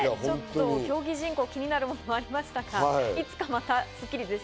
競技人口が気になるものもありましたが、いつかまた『スッキリ』でぜひ。